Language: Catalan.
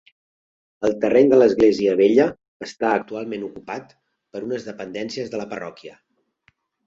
El terreny de l'església Vella està actualment ocupat per unes dependències de la parròquia.